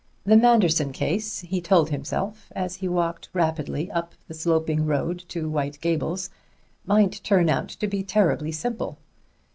The Manderson case, he told himself as he walked rapidly up the sloping road to White Gables, might turn out to be terribly simple.